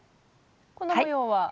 この模様は？